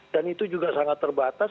dan itu juga sangat terbatas